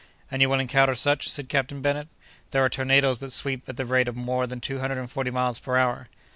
"And you will encounter such," said Captain Bennet. "There are tornadoes that sweep at the rate of more than two hundred and forty miles per hour."